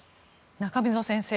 中溝先生